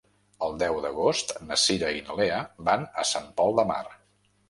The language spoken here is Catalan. El deu d'agost na Cira i na Lea van a Sant Pol de Mar.